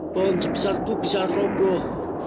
pohon sebesar itu bisa roboh